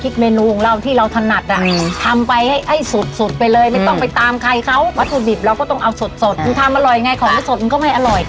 ของไม่สดมันก็ไม่อร่อย